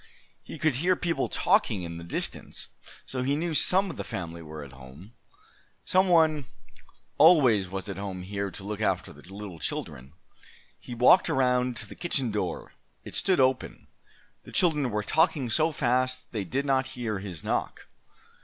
He could hear people talking in the distance, so he knew some of the family were at home. Some one always was at home here to look after the little children. He walked around to the kitchen door: it stood open. The children were talking so fast they did not hear his knock.